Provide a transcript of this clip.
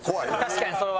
確かにそれは。